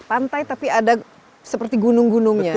pantai tapi ada seperti gunung gunungnya